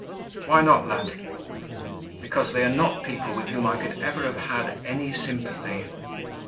"Why not, lad?" "Because they are not people with whom I could ever have had any sympathy."